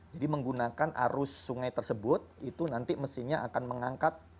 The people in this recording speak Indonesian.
jadi menggunakan arus sungai tersebut itu nanti mesinnya akan mengangkut